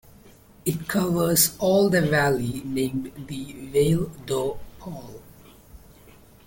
It covers all the valley named the Vale do Paul.